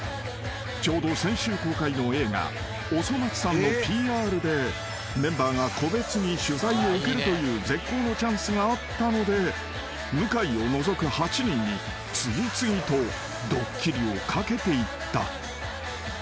［ちょうど先週公開の映画『おそ松さん』のＰＲでメンバーが個別に取材を受けるという絶好のチャンスがあったので向井を除く８人に次々とドッキリをかけていった］